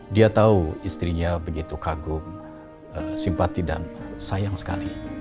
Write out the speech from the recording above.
dia tahu istrinya begitu kagum simpati dan sayang sekali